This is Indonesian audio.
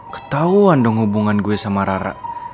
ketahuan dong hubungan gue sama rara